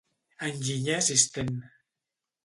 Enginyer assistent.